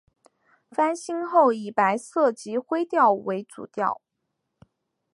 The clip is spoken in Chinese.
翻新后以白色及灰色为主调。